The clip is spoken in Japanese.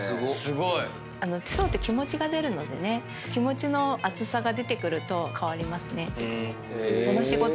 手相って気持ちが出るので気持ちの熱さが出てくると変わりますね。